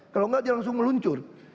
kalau enggak dia langsung meluncur